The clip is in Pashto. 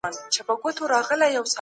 کمپيوټر ايمرجنسي خبر ورکوي.